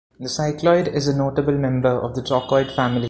The cycloid is a notable member of the trochoid family.